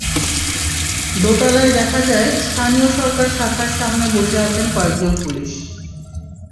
দোতালায় দেখা যায়, স্থানীয় সরকার শাখার সামনে বসে আছেন কয়েকজন পুলিশ।